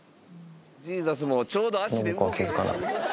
ジーザスもちょうど足で動けへん。